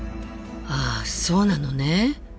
ああそうなのね。